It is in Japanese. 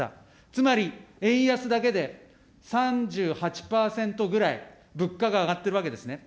つまり円安だけで３８％ぐらい物価が上がってるわけですね。